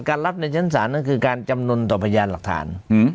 รับในชั้นศาลนั่นคือการจำนวนต่อพยานหลักฐาน